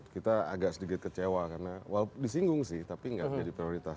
kita agak sedikit kecewa karena walaupun disinggung sih tapi gak jadi prioritas